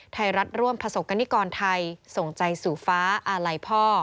ไทยรัฐร่วมประสบกรณิกรไทยส่งใจสู่ฟ้าอาลัยพ่อ